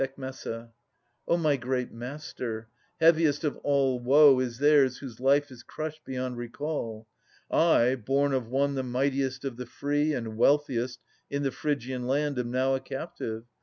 O my great master ! heaviest of all woe Is theirs whose life is crushed beyond recall. I, born of one the mightiest of the free And wealthiest in the Phrygian land, am now A captive.